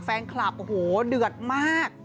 แฟนคลับโอ้โหเดือดมาก